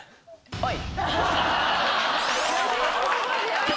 はい。